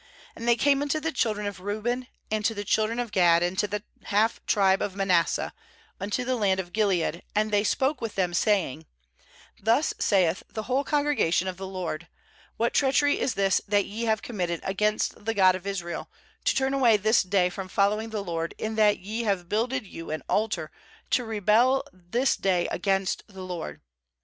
15And they came unto the children of Reuben, and to the children of Gad, and to the half tribe of Manasseh, unto the land of Gilead, and they spoke with them, saying: 16'Thus saith the whole congregation I of the LOKD: What treachery is this that ye have committed against the God of Israel, to turn away this day from following the LORD, in that ye have builded you an altar, to rebel this day against the LORD?